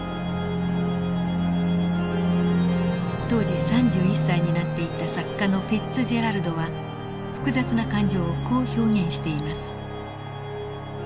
当時３１歳になっていた作家のフィッツジェラルドは複雑な感情をこう表現しています。